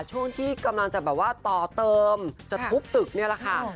ช่วงที่กำลังจะแบบว่าต่อเติมจะทุบตึกนี่แหละค่ะ